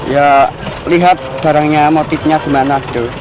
ya lihat barangnya motifnya gimana gitu